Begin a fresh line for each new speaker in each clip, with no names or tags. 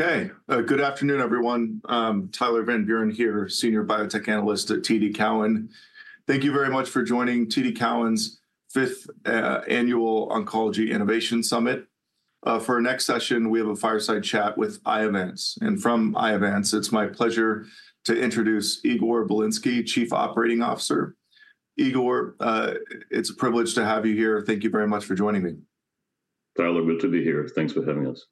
Okay, good afternoon, everyone. Tyler Van Buren here, Senior Biotech Analyst at TD Cowen. Thank you very much for joining TD Cowen's fifth Annual Oncology Innovation Summit. For our next session, we have a fireside chat with Iovance. From Iovance, it's my pleasure to introduce Igor Bilinsky, Chief Operating Officer. Igor, it's a privilege to have you here. Thank you very much for joining me.
Tyler, good to be here. Thanks for having us.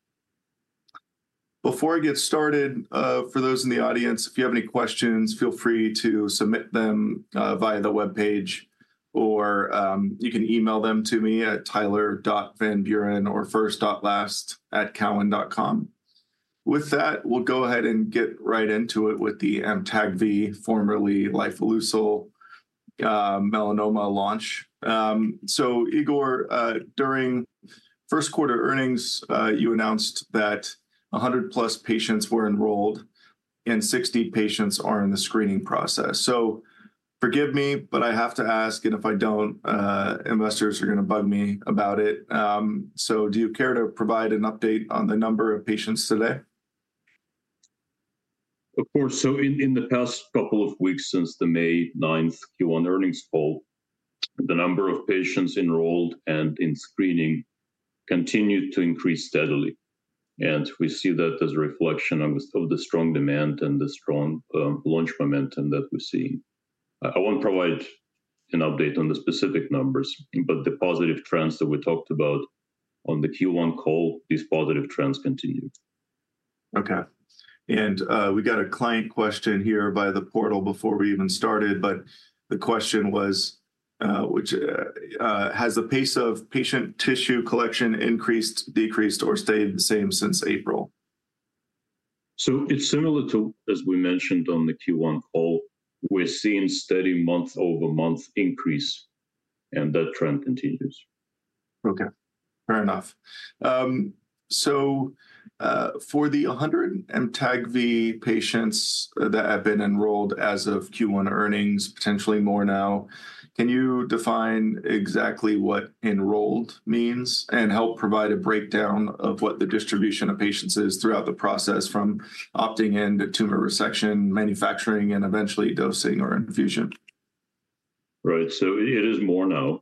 Before I get started, for those in the audience, if you have any questions, feel free to submit them via the webpage, or you can email them to me at tyler.vanburen or first.last@cowen.com. With that, we'll go ahead and get right into it with the AMTAGVI, formerly lifileucel, melanoma launch. So Igor, during first quarter earnings, you announced that 100+ patients were enrolled and 60 patients are in the screening process. So forgive me, but I have to ask, and if I don't, investors are gonna bug me about it. So do you care to provide an update on the number of patients today?
Of course. In the past couple of weeks since the May 9th Q1 earnings call, the number of patients enrolled and in screening continued to increase steadily. We see that as a reflection of the strong demand and the strong launch momentum that we're seeing. I won't provide an update on the specific numbers, but the positive trends that we talked about on the Q1 call. These positive trends continue.
Okay. And we got a client question here by the portal before we even started, but the question was: Has the pace of patient tissue collection increased, decreased, or stayed the same since April?
It's similar to, as we mentioned on the Q1 call, we're seeing steady month-over-month increase, and that trend continues.
Okay, fair enough. So, for the 100 AMTAGVI patients that have been enrolled as of Q1 earnings, potentially more now, can you define exactly what enrolled means and help provide a breakdown of what the distribution of patients is throughout the process, from opting in to tumor resection, manufacturing, and eventually dosing or infusion?
Right. So, it is more now.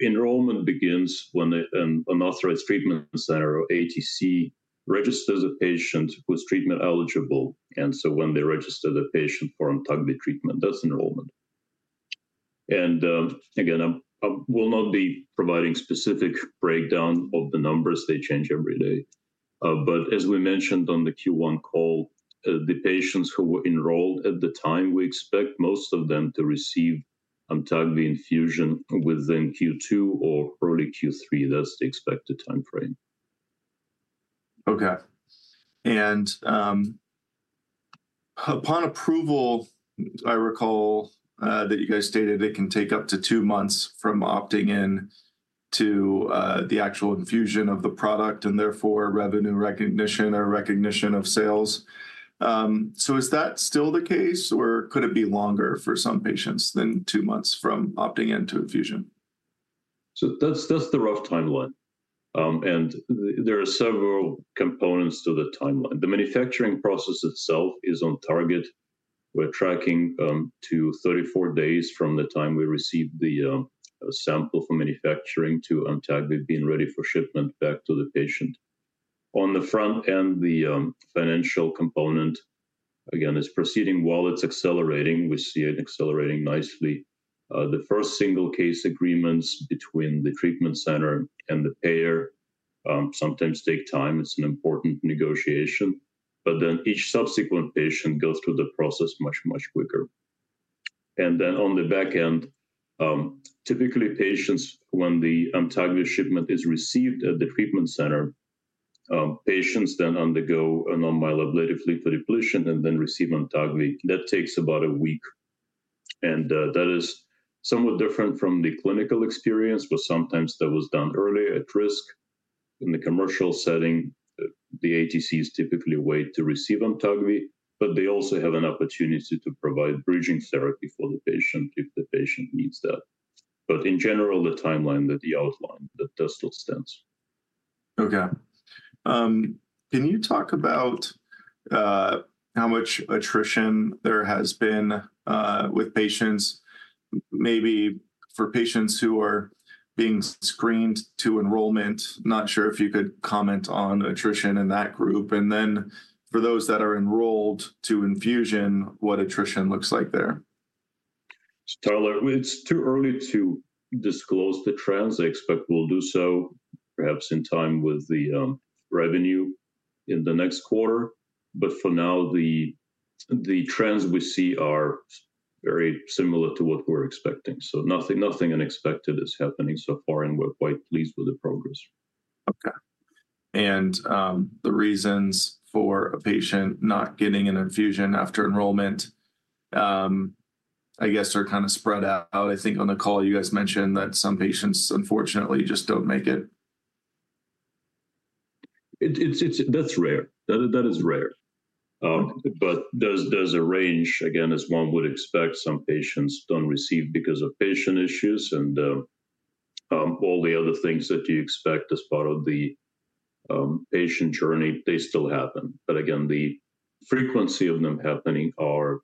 Enrollment begins when an authorized treatment center, or ATC, registers a patient who's treatment-eligible. So when they register the patient for AMTAGVI treatment, that's enrollment. Again, I will not be providing specific breakdown of the numbers. They change every day. But as we mentioned on the Q1 call, the patients who were enrolled at the time, we expect most of them to receive AMTAGVI infusion within Q2 or early Q3. That's the expected timeframe.
Okay. Upon approval, I recall that you guys stated it can take up to two months from opting in to the actual infusion of the product, and therefore, revenue recognition or recognition of sales. So is that still the case, or could it be longer for some patients than two months from opting in to infusion?
So that's the rough timeline. There are several components to the timeline. The manufacturing process itself is on target. We're tracking to 34 days from the time we receive the sample for manufacturing to AMTAGVI being ready for shipment back to the patient. On the front end, the financial component, again, is proceeding. While it's accelerating, we see it accelerating nicely. The first single case agreements between the treatment center and the payer sometimes take time. It's an important negotiation. But then each subsequent patient goes through the process much, much quicker. And then on the back end, typically, patients, when the AMTAGVI shipment is received at the treatment center, patients then undergo a non-myeloablative lymph depletion and then receive AMTAGVI. That takes about a week. That is somewhat different from the clinical experience, but sometimes that was done early at risk. In the commercial setting, the ATCs typically wait to receive AMTAGVI, but they also have an opportunity to provide bridging therapy for the patient if the patient needs that. In general, the timeline that you outlined, that still stands.
Okay. Can you talk about how much attrition there has been with patients, maybe for patients who are being screened to enrollment? Not sure if you could comment on attrition in that group. And then for those that are enrolled to infusion, what attrition looks like there.
Tyler, it's too early to disclose the trends. I expect we'll do so perhaps in time with the revenue in the next quarter. But for now, the trends we see are very similar to what we're expecting, so nothing unexpected is happening so far, and we're quite pleased with the progress.
Okay. The reasons for a patient not getting an infusion after enrollment, I guess, are kind of spread out. I think on the call, you guys mentioned that some patients, unfortunately, just don't make it.
That's rare. That is rare.
Okay.
But there's a range. Again, as one would expect, some patients don't receive because of patient issues and all the other things that you expect as part of the patient journey, they still happen. But again, the frequency of them happening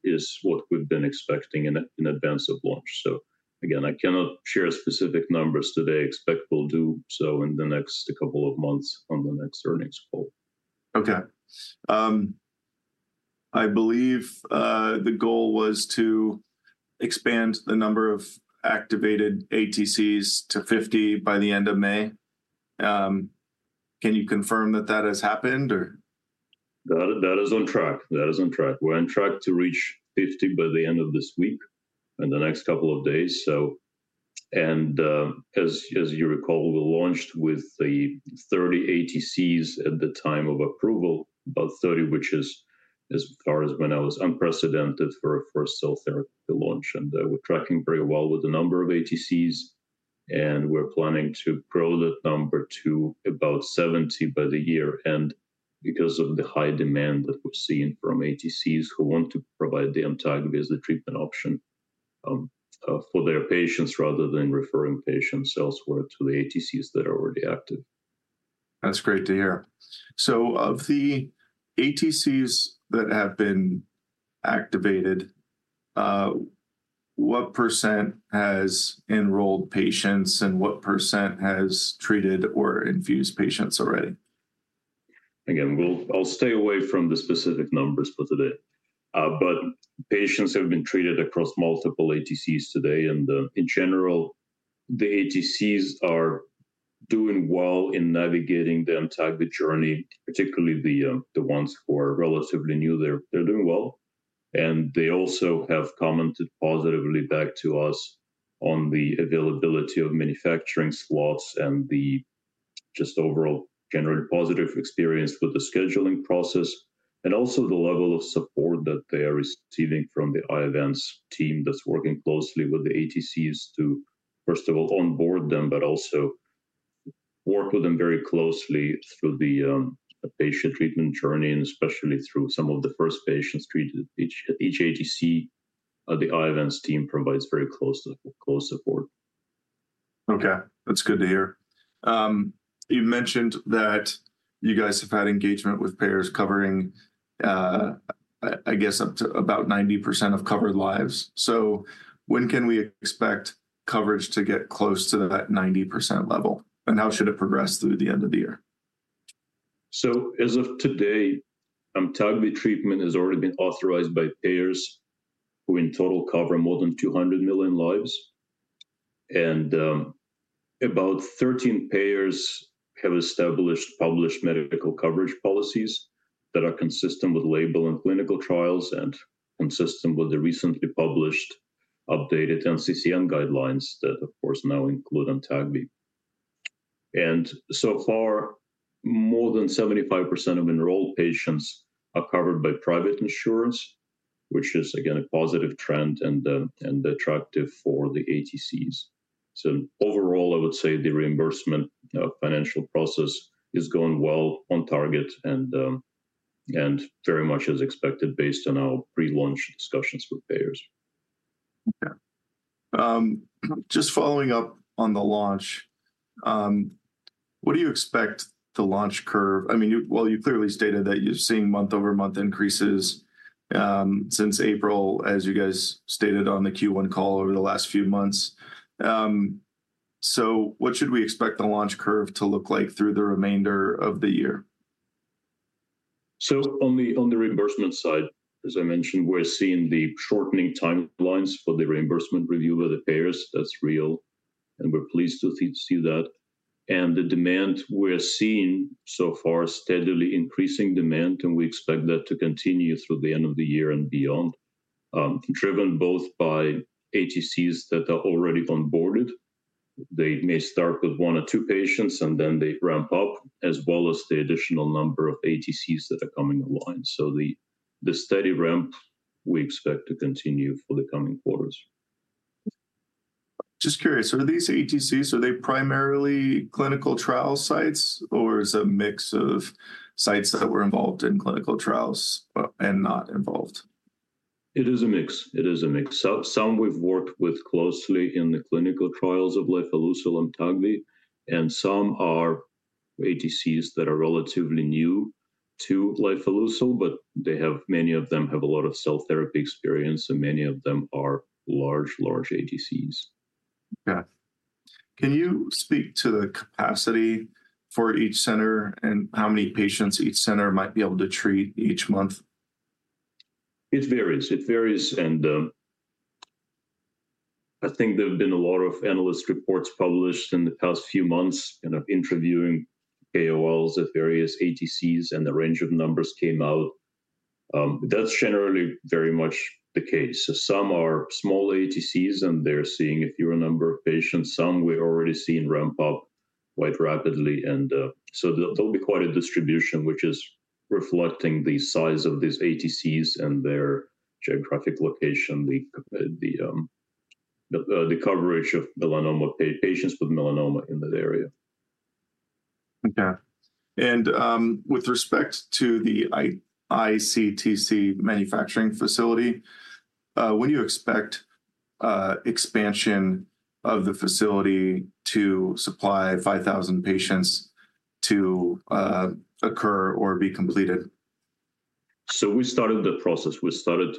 is what we've been expecting in advance of launch. So again, I cannot share specific numbers today, expect we'll do so in the next couple of months on the next earnings call.
Okay. I believe the goal was to expand the number of activated ATCs to 50 by the end of May. Can you confirm that that has happened or?
That is on track. That is on track. We're on track to reach 50 by the end of this week, in the next couple of days. And as you recall, we launched with the 30 ATCs at the time of approval, about 30, which is, as far as when I was unprecedented for a first cell therapy launch. And we're tracking very well with the number of ATCs, and we're planning to grow that number to about 70 by the year-end because of the high demand that we've seen from ATCs who want to provide the AMTAGVI as a treatment option for their patients, rather than referring patients elsewhere to the ATCs that are already active.
That's great to hear. So of the ATCs that have been activated, what percent has enrolled patients, and what percent has treated or infused patients already?
Again, we'll, I'll stay away from the specific numbers for today. But patients have been treated across multiple ATCs today, and in general, the ATCs are doing well in navigating the AMTAGVI journey, particularly the ones who are relatively new. They're doing well, and they also have commented positively back to us on the availability of manufacturing slots and the just overall generally positive experience with the scheduling process, and also the level of support that they are receiving from the Iovance team that's working closely with the ATCs to, first of all, onboard them, but also work with them very closely through the patient treatment journey, and especially through some of the first patients treated. Each ATC, the Iovance team provides very close, close support.
Okay, that's good to hear. You mentioned that you guys have had engagement with payers covering, I guess, up to about 90% of covered lives. So when can we expect coverage to get close to that 90% level, and how should it progress through the end of the year?
So as of today, AMTAGVI treatment has already been authorized by payers who, in total, cover more than 200 million lives. And, about 13 payers have established published medical coverage policies that are consistent with label and clinical trials and consistent with the recently published updated NCCN guidelines that, of course, now include AMTAGVI. And so far, more than 75% of enrolled patients are covered by private insurance, which is, again, a positive trend and, and attractive for the ATCs. So overall, I would say the reimbursement, financial process is going well on target and, and very much as expected, based on our pre-launch discussions with payers.
Okay. Just following up on the launch, what do you expect the launch curve. I mean, well, you clearly stated that you've seen month-over-month increases, since April, as you guys stated on the Q1 call over the last few months. So what should we expect the launch curve to look like through the remainder of the year?
So on the reimbursement side, as I mentioned, we're seeing the shortening timelines for the reimbursement review by the payers. That's real, and we're pleased to see that. And the demand, we're seeing so far, steadily increasing demand, and we expect that to continue through the end of the year and beyond, driven both by ATCs that are already onboarded. They may start with one or two patients, and then they ramp up, as well as the additional number of ATCs that are coming online. So the steady ramp we expect to continue for the coming quarters.
Just curious, so are these ATCs primarily clinical trial sites, or is it a mix of sites that were involved in clinical trials but not involved?
It is a mix. It is a mix. Some, some we've worked with closely in the clinical trials of lifileucel, AMTAGVI, and some are ATCs that are relatively new to lifileucel, but they have, many of them have a lot of cell therapy experience, and many of them are large, large ATCs.
Yeah. Can you speak to the capacity for each center and how many patients each center might be able to treat each month?
It varies. It varies, and, I think there have been a lot of analyst reports published in the past few months, you know, interviewing AOLs at various ATCs, and the range of numbers came out. That's generally very much the case. So some are small ATCs, and they're seeing a fewer number of patients. Some we're already seeing ramp up quite rapidly, and, so there'll be quite a distribution, which is reflecting the size of these ATCs and their geographic location, the coverage of melanoma patients with melanoma in that area.
Okay. And, with respect to the iCTC manufacturing facility, when do you expect expansion of the facility to supply 5,000 patients to occur or be completed?
So we started the process. We started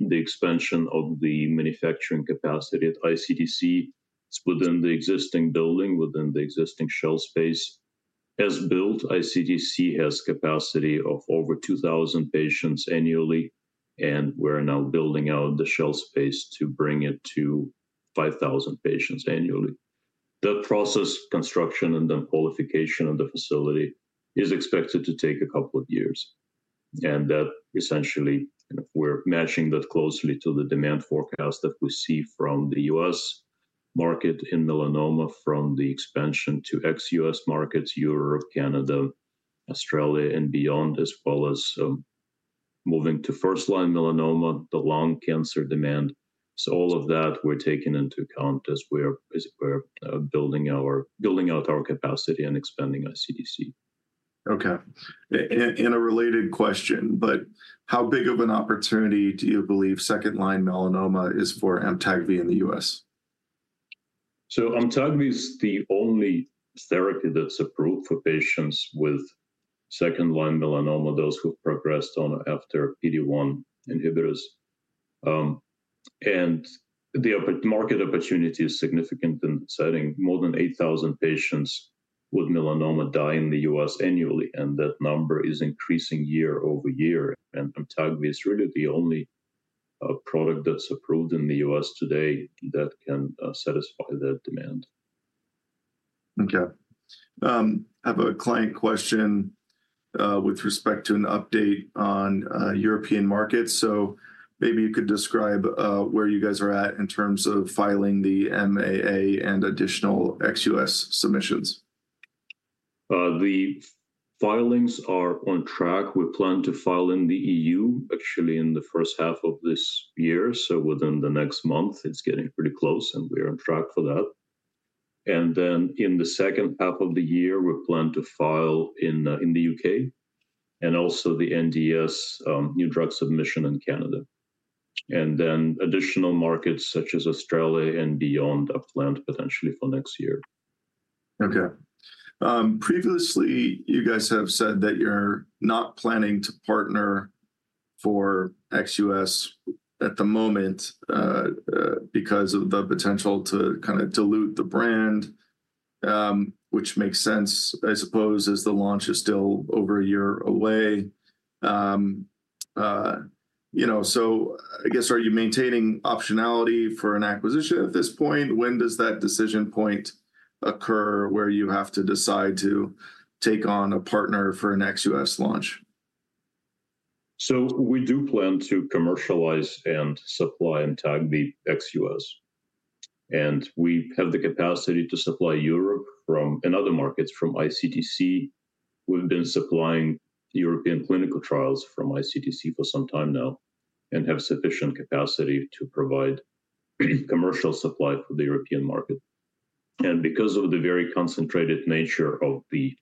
the expansion of the manufacturing capacity at iCTC. It's within the existing building, within the existing shell space. As built, iCTC has capacity of over 2,000 patients annually, and we're now building out the shell space to bring it to 5,000 patients annually. The process, construction, and then qualification of the facility is expected to take a couple of years. And that essentially, and if we're matching that closely to the demand forecast that we see from the U.S. market in melanoma, from the expansion to ex-U.S. markets, Europe, Canada, Australia, and beyond, as well as moving to first-line melanoma, the lung cancer demand. So all of that we're taking into account as we're building out our capacity and expanding iCTC.
Okay. And a related question, but how big of an opportunity do you believe second-line melanoma is for AMTAGVI in the U.S.?
AMTAGVI is the only therapy that's approved for patients with second-line melanoma, those who have progressed on after PD-1 inhibitors. And the market opportunity is significant, citing more than 8,000 patients with melanoma die in the U.S. annually, and that number is increasing year-over-year, and AMTAGVI is really the only product that's approved in the U.S. today that can satisfy that demand.
Okay. I have a client question with respect to an update on European markets. So maybe you could describe where you guys are at in terms of filing the MAA and additional ex-U.S. submissions.
The filings are on track. We plan to file in the EU, actually in the first half of this year, so within the next month. It's getting pretty close, and we're on track for that. And then in the second half of the year, we plan to file in the U.K., and also the NDS, new drug submission in Canada. And then additional markets such as Australia and beyond are planned potentially for next year.
Okay. Previously, you guys have said that you're not planning to partner for ex-US at the moment, because of the potential to kind of dilute the brand, which makes sense, I suppose, as the launch is still over a year away. You know, so I guess, are you maintaining optionality for an acquisition at this point? When does that decision point occur, where you have to decide to take on a partner for an ex-US launch?
So we do plan to commercialize and supply AMTAGVI ex U.S., and we have the capacity to supply Europe from... and other markets from iCTC. We've been supplying European clinical trials from iCTC for some time now and have sufficient capacity to provide commercial supply for the European market. And because of the very concentrated nature of the...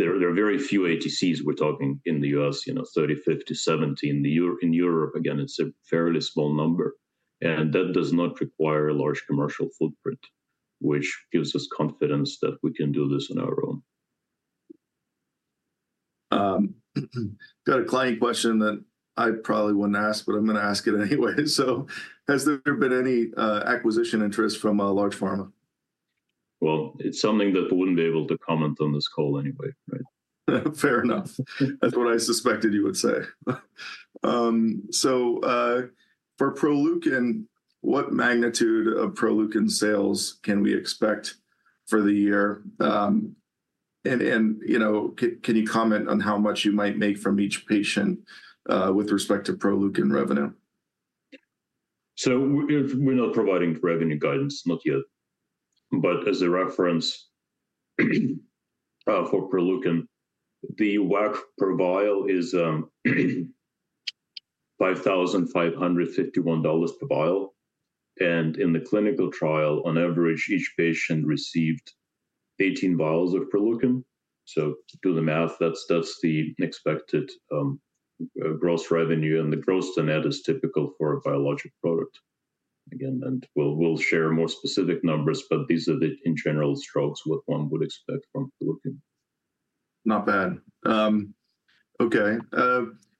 There are very few ATCs, we're talking in the U.S., you know, 30, 50, 70. In Europe, again, it's a fairly small number, and that does not require a large commercial footprint, which gives us confidence that we can do this on our own.
Got a client question that I probably wouldn't ask, but I'm going to ask it anyway. Has there been any acquisition interest from large pharma?
Well, it's something that I wouldn't be able to comment on this call anyway, right?
Fair enough. That's what I suspected you would say. So, for Proleukin, what magnitude of Proleukin sales can we expect for the year? And, you know, can you comment on how much you might make from each patient, with respect to Proleukin revenue?
So we're not providing revenue guidance, not yet. But as a reference, for Proleukin, the WAC per vial is $5,551 per vial, and in the clinical trial, on average, each patient received 18 vials of Proleukin. So do the math, that's the expected gross revenue, and the gross to net is typical for a biologic product. Again, we'll share more specific numbers, but these are the in general strokes, what one would expect from Proleukin.
Not bad. Okay.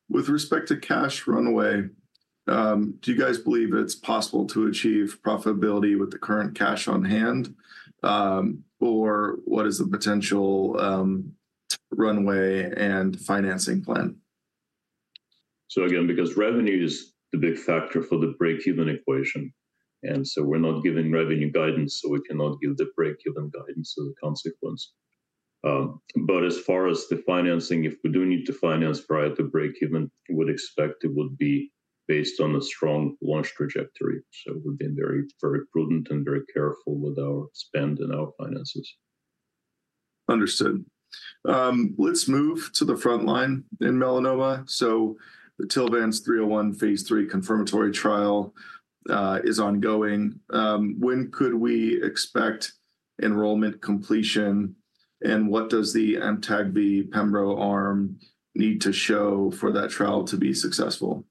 With respect to cash runway, do you guys believe it's possible to achieve profitability with the current cash on hand? Or what is the potential runway and financing plan?
So again, because revenue is the big factor for the breakeven equation, and so we're not giving revenue guidance, so we cannot give the breakeven guidance as a consequence. But as far as the financing, if we do need to finance prior to breakeven, we'd expect it would be based on a strong launch trajectory. So we've been very, very prudent and very careful with our spend and our finances.
Understood. Let's move to the frontline in melanoma. So the TILVANCE-301 phase III confirmatory trial is ongoing. When could we expect enrollment completion? And what does the AMTAGVI pembro arm need to show for that trial to be successful?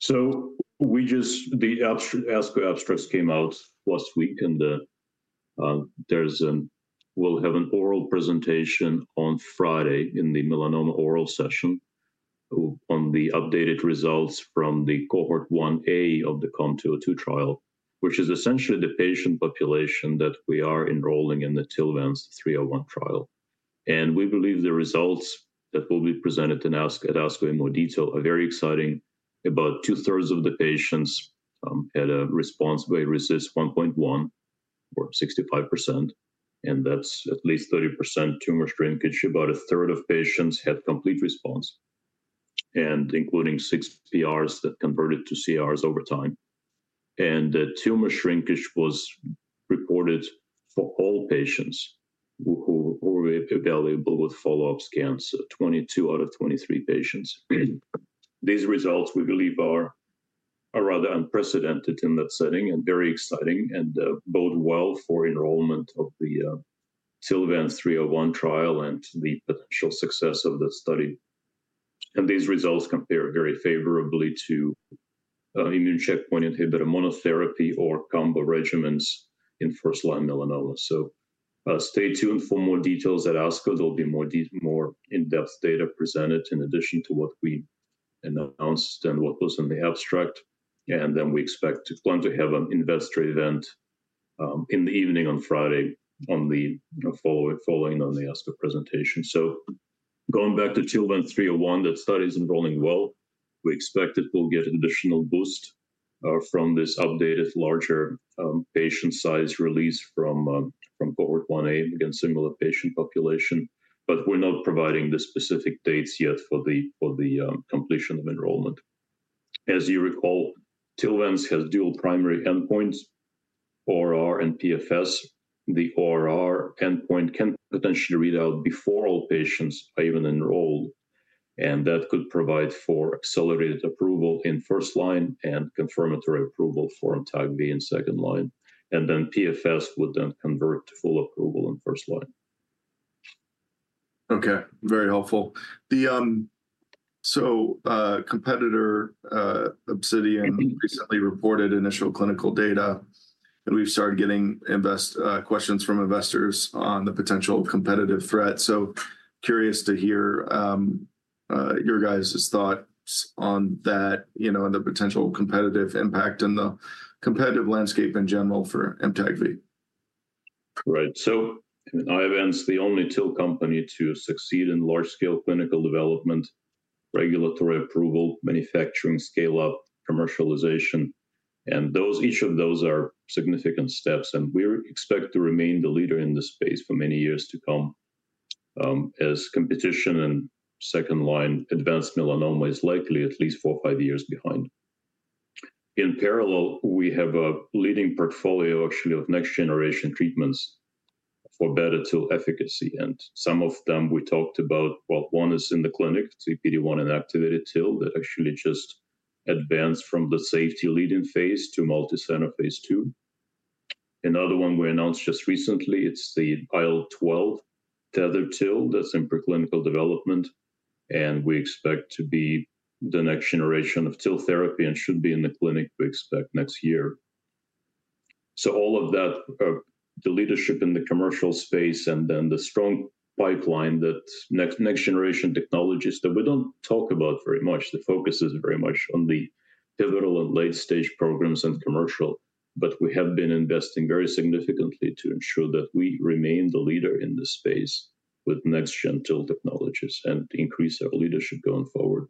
So we just, the ASCO abstracts came out last week, and, there's an. We'll have an oral presentation on Friday in the melanoma oral session, on the updated results from the cohort 1A of the IOV-COM-202 trial, which is essentially the patient population that we are enrolling in the TILVANCE-301 trial. And we believe the results that will be presented in ASCO, at ASCO in more detail, are very exciting. About two-thirds of the patients had an ORR of 65%, and that's at least 30% tumor shrinkage. About a third of patients had complete response, and including six PRs that converted to CRs over time. And the tumor shrinkage was reported for all patients who were available with follow-up scans, so 22 out of 23 patients. These results, we believe, are rather unprecedented in that setting and very exciting and bode well for enrollment of the TILVANCE-301 trial and the potential success of the study. These results compare very favorably to immune checkpoint inhibitor monotherapy or combo regimens in first-line melanoma. So stay tuned for more details at ASCO. There'll be more in-depth data presented in addition to what we announced and what was in the abstract. And then we expect to plan to have an investor event in the evening on Friday following the ASCO presentation. So going back to TILVANCE-301, that study is enrolling well. We expect it will get additional boost from this updated, larger patient size release from Cohort 1A, again, similar patient population. But we're not providing the specific dates yet for the completion of enrollment. As you recall, TILVANCE-301 has dual primary endpoints, ORR and PFS. The ORR endpoint can potentially read out before all patients are even enrolled, and that could provide for accelerated approval in first line and confirmatory approval for AMTAGVI in second line. And then PFS would then convert to full approval in first line.
Okay, very helpful. So, competitor Obsidian recently reported initial clinical data, and we've started getting questions from investors on the potential competitive threat. So curious to hear your guys' thoughts on that, you know, and the potential competitive impact and the competitive landscape in general for AMTAGVI.
Right. So Iovance is the only TIL company to succeed in large-scale clinical development, regulatory approval, manufacturing, scale up, commercialization, and those, each of those are significant steps, and we expect to remain the leader in this space for many years to come, as competition and second line advanced melanoma is likely at least four or five years behind. In parallel, we have a leading portfolio actually of next-generation treatments for better TIL efficacy, and some of them we talked about. Well, one is in the clinic, PD-1 inactivated TIL, that actually just advanced from the safety-leading phase to multicenter phase II. Another one we announced just recently, it's the IL-12 tethered TIL, that's in preclinical development, and we expect to be the next generation of TIL therapy and should be in the clinic, we expect, next year. All of that, the leadership in the commercial space and then the strong pipeline, that next-generation technologies that we don't talk about very much. The focus is very much on the pivotal and late-stage programs and commercial, but we have been investing very significantly to ensure that we remain the leader in this space with next-gen TIL technologies and increase our leadership going forward.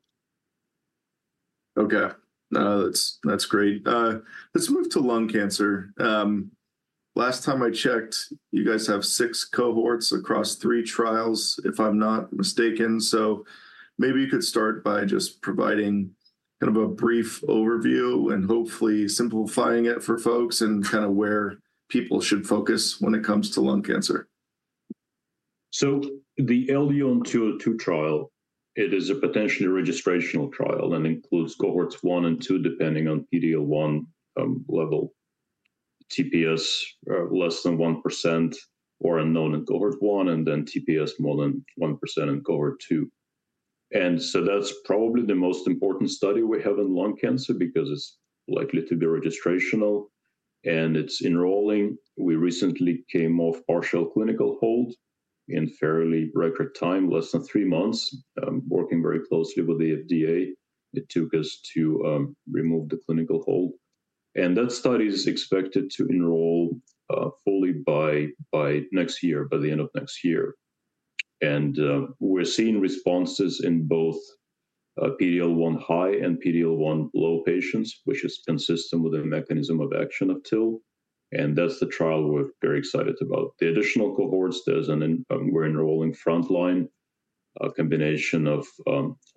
Okay. No, that's, that's great. Let's move to lung cancer. Last time I checked, you guys have 6 cohorts across 3 trials, if I'm not mistaken. So maybe you could start by just providing kind of a brief overview and hopefully simplifying it for folks and kind of where people should focus when it comes to lung cancer.
So the IOV-LUN-202 trial, it is a potentially registrational trial and includes cohorts one and two, depending on PD-L1 level, TPS less than 1% or unknown in cohort one, and then TPS more than 1% in cohort two. And so that's probably the most important study we have in lung cancer because it's likely to be registrational, and it's enrolling. We recently came off partial clinical hold in fairly record time, less than three months. Working very closely with the FDA, it took us to remove the clinical hold. And that study is expected to enroll fully by next year, by the end of next year. And we're seeing responses in both PD-L1 high and PD-L1 low patients, which is consistent with the mechanism of action of TIL, and that's the trial we're very excited about. The additional cohorts, there's an, we're enrolling frontline, a combination of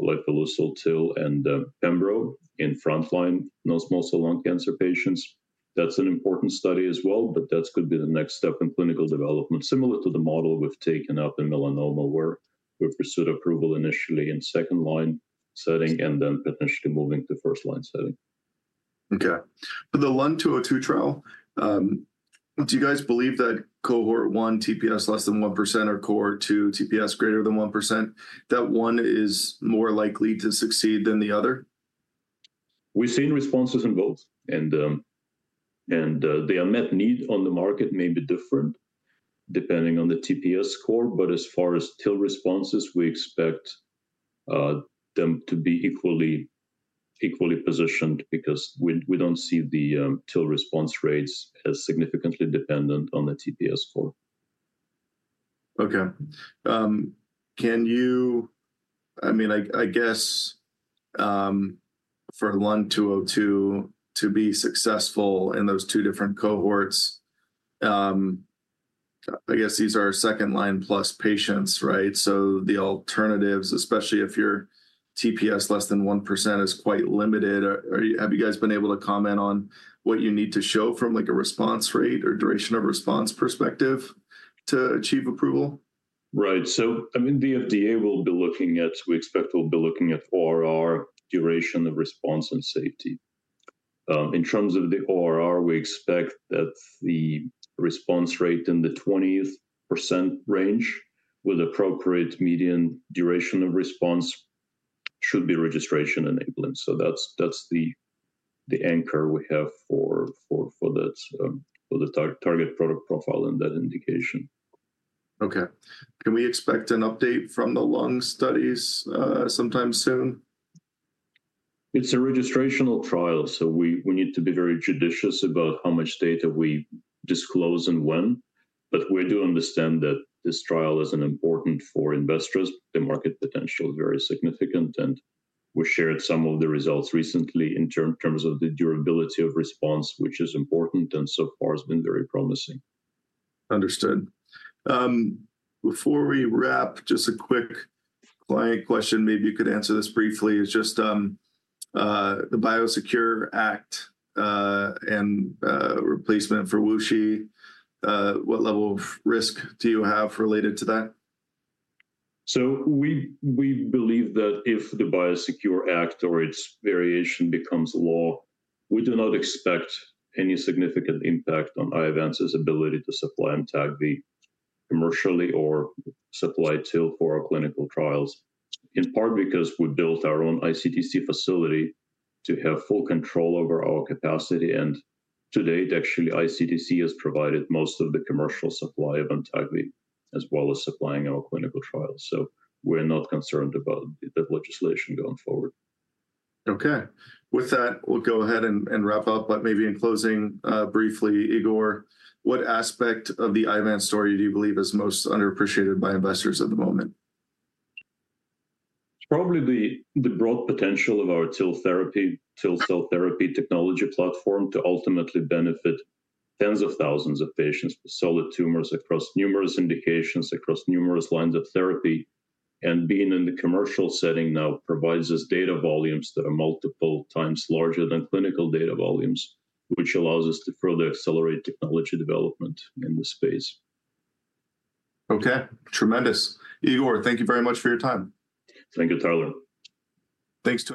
lifileucel TIL and pembro in frontline non-small cell lung cancer patients. That's an important study as well, but that could be the next step in clinical development, similar to the model we've taken up in melanoma, where we've pursued approval initially in second-line setting and then potentially moving to first-line setting.
Okay. For the LUN-202 trial, do you guys believe that cohort 1 TPS less than 1% or cohort 2 TPS greater than 1%, that one is more likely to succeed than the other?
We've seen responses in both, and, and, the unmet need on the market may be different depending on the TPS score. But as far as TIL responses, we expect, them to be equally, equally positioned because we, we don't see the, TIL response rates as significantly dependent on the TPS score.
Okay. I mean, I guess, for LUN-202 to be successful in those two different cohorts, I guess these are second-line plus patients, right? So the alternatives, especially if your TPS less than 1% is quite limited, are. Have you guys been able to comment on what you need to show from, like, a response rate or duration of response perspective to achieve approval?
Right. So I mean, the FDA will be looking at, we expect will be looking at ORR, duration of response, and safety. In terms of the ORR, we expect that the response rate in the 20% range with appropriate median duration of response should be registration enabling. So that's the anchor we have for that target product profile and that indication.
Okay. Can we expect an update from the LUN studies sometime soon?
It's a registrational trial, so we need to be very judicious about how much data we disclose and when. But we do understand that this trial is an important for investors. The market potential is very significant, and we shared some of the results recently in terms of the durability of response, which is important, and so far has been very promising.
Understood. Before we wrap, just a quick client question, maybe you could answer this briefly, is just the BIOSECURE Act and replacement for WuXi, what level of risk do you have related to that?
So we believe that if the BIOSECURE Act or its variation becomes law, we do not expect any significant impact on Iovance's ability to supply AMTAGVI commercially or supply TIL for our clinical trials, in part because we built our own iCTC facility to have full control over our capacity, and to date, actually, iCTC has provided most of the commercial supply of AMTAGVI, as well as supplying our clinical trials. So we're not concerned about the legislation going forward.
Okay. With that, we'll go ahead and wrap up, but maybe in closing, briefly, Igor, what aspect of the Iovance story do you believe is most underappreciated by investors at the moment?
Probably the broad potential of our TIL therapy, TIL cell therapy technology platform to ultimately benefit tens of thousands of patients with solid tumors across numerous indications, across numerous lines of therapy, and being in the commercial setting now provides us data volumes that are multiple times larger than clinical data volumes, which allows us to further accelerate technology development in this space.
Okay, tremendous. Igor, thank you very much for your time.
Thank you, Tyler.
Thanks, team.